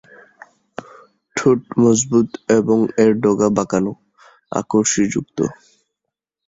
ঠোঁট মজবুত এবং এর ডগা বাঁকানো, আকর্ষীযুক্ত।